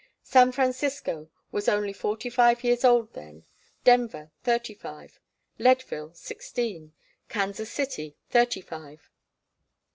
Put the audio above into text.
San Francisco was only forty five years old then, Denver thirty five, Leadville sixteen, Kansas City thirty five.